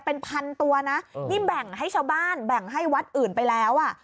เป็นพันตัวนะนี่แบ่งให้ชาวบ้านแบ่งให้วัดอื่นไปแล้วอ่ะ